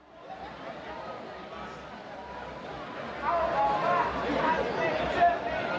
ประจำตอนที่๑ที่๑จุดเก็บข้างต่อไป